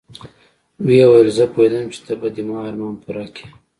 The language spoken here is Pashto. ويې ويل زه پوهېدم چې ته به د ما ارمان پوره کيې.